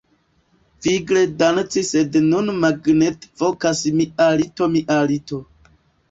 Vigle danci sed nun magnete vokas mia lito mia lito